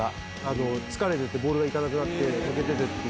疲れててボールがいかなくて抜けてて。